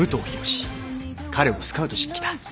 彼をスカウトしに来た。